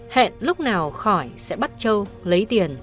hẹn lúc nào khỏi sẽ bắt châu lấy tiền